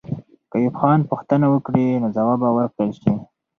که ایوب خان پوښتنه وکړي، نو ځواب به ورکړل سي.